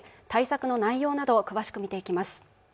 対策の内容などを詳しく見ていきます。